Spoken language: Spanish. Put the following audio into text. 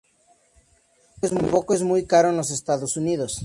Tampoco es muy caro en los Estados Unidos.